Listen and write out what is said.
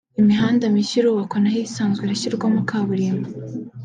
imihanda mishya irubakwa naho ihasanzwe irashyirwamo kaburimbo